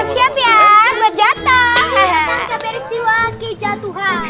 kita beristirahat kejahat tuhan